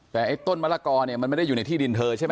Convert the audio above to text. แต่ไอ้ต้นมะละกอเนี่ยมันไม่ได้อยู่ในที่ดินเธอใช่ไหม